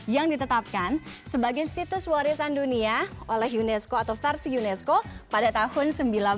yang ditetapkan sebagai situs warisan dunia oleh unesco atau versi unesco pada tahun seribu sembilan ratus sembilan puluh